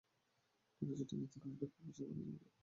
নানা জটিলতার কারণে কয়েক বছর বাণিজ্য মেলা আয়োজন করা সম্ভব হয়নি।